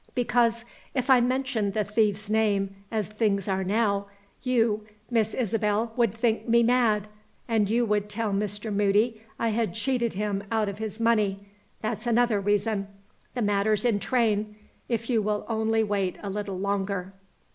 Because, if I mentioned the thief's name, as things are now, you, Miss Isabel, would think me mad; and you would tell Mr. Moody I had cheated him out of his money that's another reason. The matter's in train, if you will only wait a little longer."